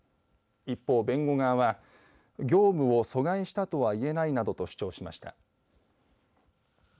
一方、弁護側は業務を阻害したとはいえないなどと主張しました。